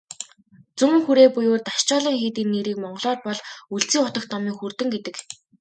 Зүүн хүрээ буюу "Дашчойлин" хийдийн нэрийг монголоор бол "Өлзий хутагт номын хүрдэн" гэдэг.